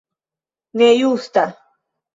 Ne justa!